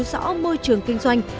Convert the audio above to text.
cần nghiên cứu rõ môi trường kinh doanh